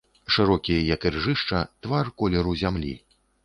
Шчокі як іржышча, твар колеру зямлі.